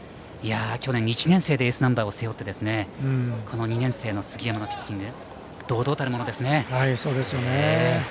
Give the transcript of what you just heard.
去年、１年生でエースナンバーを背負ってこの２年生の杉山のピッチングそうですね。